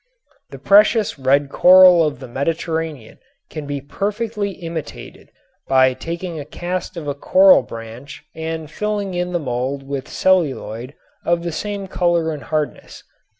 The precious red coral of the Mediterranean can be perfectly imitated by taking a cast of a coral branch and filling in the mold with celluloid of the same color and hardness.